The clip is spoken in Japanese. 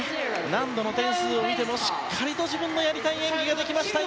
難度の点数を見てもしっかりと自分のやりたい演技ができました、乾。